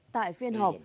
tại phiên họp